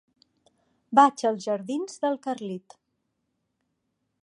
Vaig als jardins del Carlit.